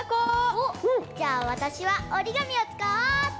おっじゃあわたしはおりがみをつかおうっと！